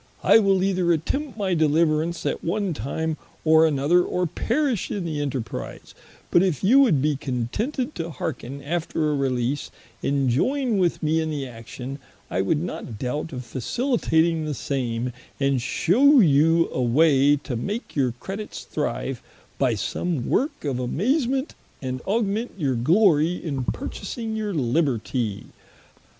I will either attempt my deliverance at one time, or another, or perish in the enterprise: but if you would be contented to hearken after a release, and joyne with me in the action, I would not doubt of facilitating the same, and shew you a way to make your credits thrive by some worke of amazement, and augment your glorie in purchasing your libertie."